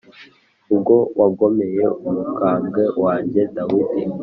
ubwo wagomeye umukambwe wanjye Dawidi?